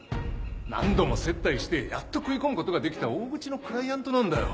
何度も接待してやっと食い込むことができた大口のクライアントなんだよ！